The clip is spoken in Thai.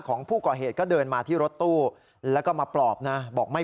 ของผู้ก่อเหตุก็เดินมาที่รถตู้แล้วก็มาปลอบนะบอกไม่